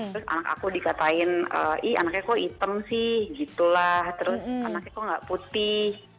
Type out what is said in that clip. terus anak aku dikatakan ih anaknya kok hitam sih gitu lah terus anaknya kok nggak putih